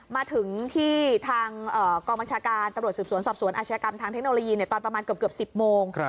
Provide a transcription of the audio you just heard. มาถึงที่ทางกองบัญชาการตำรวจสืบสวนสอบสวนอาชญากรรมทางเทคโนโลยีตอนประมาณเกือบ๑๐โมง